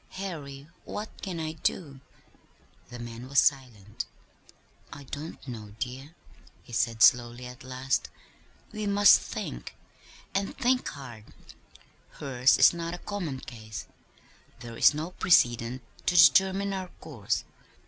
Harry, what can I do?" The man was silent. "I don't know, dear," he said slowly, at last. "We must think and think hard. Hers is not a common case. There is no precedent to determine our course.